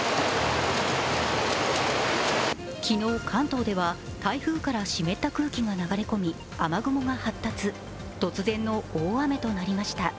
昨日、関東では台風から湿った空気が流れ込み雨雲が発達、突然の大雨となりました。